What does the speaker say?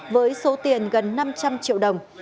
với số tiền gần năm trăm linh triệu đồng